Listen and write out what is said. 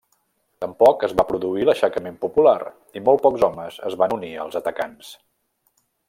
Tampoc es va produir l'aixecament popular i molt pocs homes es van unir als atacants.